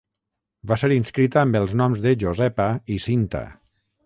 Va ser inscrita amb els noms de Josepa i Cinta.